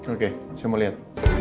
oke semua lihat